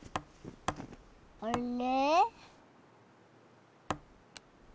あれ？